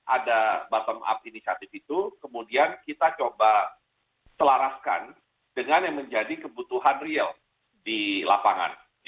ada bottom up initiative itu kemudian kita coba selaraskan dengan yang menjadi kebutuhan real di lapangan